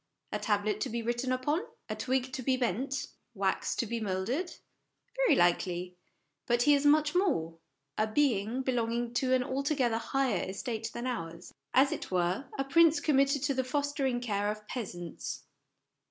A tablet to be written upon ? A twig to be bent ? Wax to be moulded ? Very likely ; but he is much more a being belong ing to an altogether higher estate than ours ; as it were, a prince committed to the fostering care of peasants.